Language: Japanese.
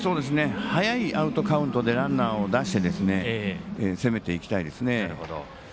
早いアウトカウントでランナーを出して攻めていきたいですね。